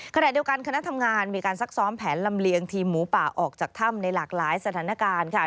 ขณะเดียวกันคณะทำงานมีการซักซ้อมแผนลำเลียงทีมหมูป่าออกจากถ้ำในหลากหลายสถานการณ์ค่ะ